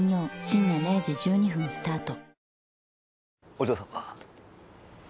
お嬢様。